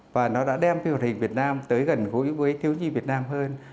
và nó đã đem phi hợp hình việt nam tới gần gũi với thiếu nhi việt nam hơn